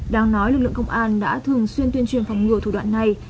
đang nói lực lượng công an đã thường xuyên tuyên truyền phòng ngừa thủ đoạn này